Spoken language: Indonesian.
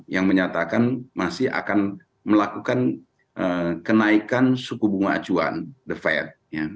yang menyatakan masih akan melakukan kenaikan suku bunga acuan the fed